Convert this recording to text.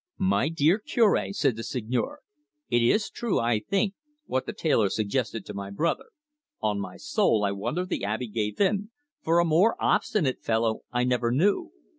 "My dear Cure" said the Seigneur, "it is true, I think, what the tailor suggested to my brother on my soul, I wonder the Abbe gave in, for a more obstinate fellow I never knew!